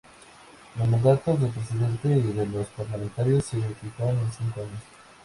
Los mandatos del presidente y de los parlamentarios se fijaron en cinco años.